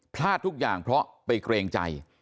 พลาดทุกอย่างเพราะไปเกรงใจ